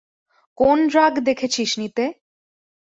কোন ড্রাগ দেখেছিস নিতে?